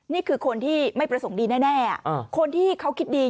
นี่คือคนที่ไม่ประสงค์ดีแน่คนที่เขาคิดดี